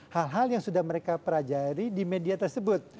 hal hal yang sudah mereka pelajari di media tersebut